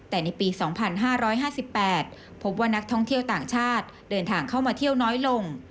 แต่ในปี๒๕๕๘พบว่านักท่องเที่ยวต่างชาติเดินทางเข้ามาเที่ยวน้อยลง